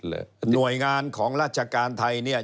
หน่วยงานของราชการไทย